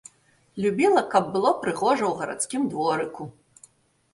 Любіла, каб было прыгожа ў гарадскім дворыку.